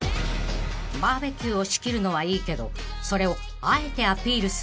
［バーベキューを仕切るのはいいけどそれをあえてアピールする男］